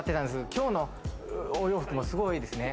今日のお洋服もすごいですね。